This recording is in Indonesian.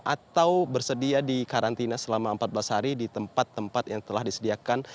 atau bersedia di karantina selama empat belas hari di tempat tempat yang telah disediakan